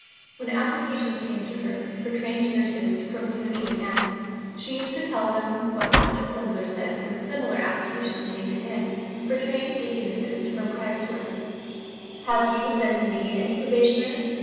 When applications came to her for trained nurses from provincial towns, she used to tell them what Pastor Fliedner said when similar applications came to him for trained Deaconesses from Kaiserswerth: "Have you sent me any Probationers?